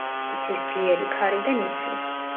იცის ძლიერი ქარი და ნისლი.